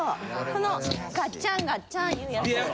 このガッチャンガッチャンいうやつ。